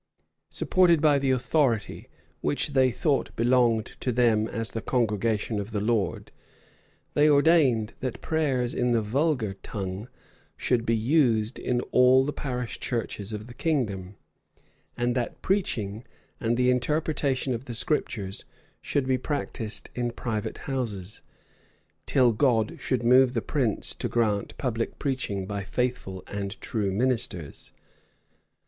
Supported by the authority which they thought belonged to them as the congregation of the Lord, they ordained that prayers in the vulgar tongue[*] should be used in all the parish churches of the kingdom; and that preaching and the interpretation of the Scriptures should be practised in private houses, til God should move the prince to grant public preaching by faithful and true ministers.